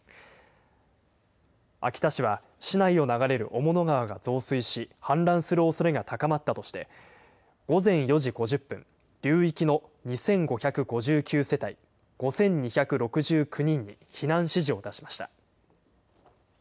秋田市は市内を流れる雄物川が増水し、氾濫するおそれが高まったとして、午前４時５０分、流域の２５５９世帯５２６９人に避難指示を出しました。